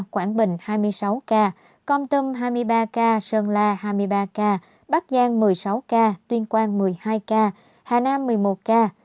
quảng bình hai mươi sáu ca con tâm hai mươi ba ca sơn la hai mươi ba ca bắc giang một mươi sáu ca tuyên quang một mươi hai ca hà nam một mươi một ca